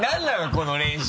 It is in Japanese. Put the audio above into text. この練習。